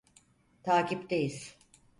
Takipteyiz.